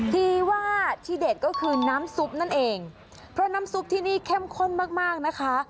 ที่ว่าที่เด็ดก็คือน้ำซุปนั่นเองเพราะน้ำซุปที่นี่เข้มข้นมากมากนะคะ